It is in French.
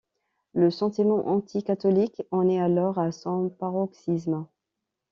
Le sentiment anti-catholique en est alors à son paroxysme.